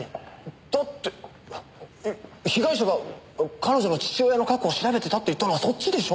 だって被害者が彼女の父親の過去を調べてたって言ったのはそっちでしょ？